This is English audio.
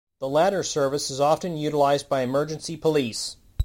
The latter service is often utilized by emergency police.